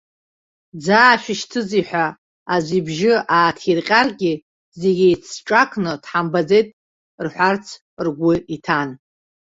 Дзаашәышьҭзеи ҳәа аӡә ибжьы ааҭирҟьаргьы зегь еицҿакны дҳамбаӡеит рҳәарц ргәы иҭан.